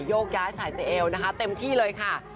โยกย้ายสายเอลนะคะเต็มที่เลยค่ะ